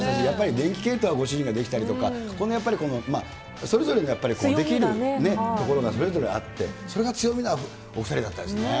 電気系統ご主人ができたりとか、やっぱりそれぞれのできるところがそれぞれあって、それが強みなお２人だったですね。